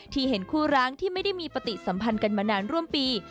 เห็นคู่ร้างที่ไม่ได้มีปฏิสัมพันธ์กันมานานร่วมปี